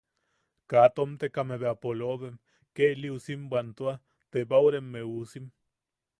Kaa tomekame bea polobem ke ili usim bwantua tebaureme usim.